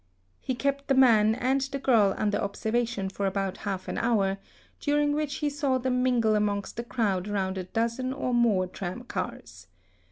He kept the man and the girl under observation for about half an hour, during which he saw them mingle amongst the crowd around a dozen or more tram cars.